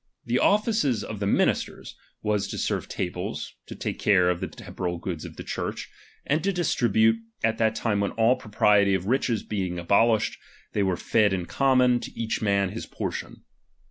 The offices of the ministers, was to serve tables, to take care of the temporal goods of the Church, and to distribute, at that time when all propriety ■of riches being abolished they were fed in common, to each man his portion.